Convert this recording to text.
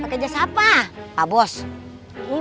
pakai jas salah lagi